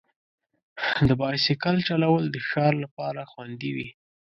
د بایسکل چلول د ښار لپاره خوندي وي.